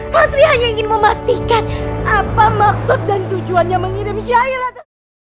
masri hanya ingin memastikan apa maksud dan tujuannya mengirim syairan